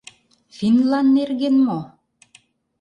Финнлан нерген мо?